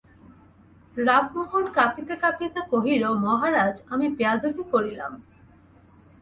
রামমোহন কাঁপিতে কাঁপিতে কহিল, মহারাজ, আমি বেয়াদবি করিলাম।